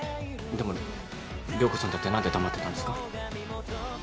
でも涼子さんだって何で黙ってたんですか？